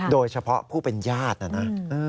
โดยเฉพาะผู้เป็นญาตินะนะ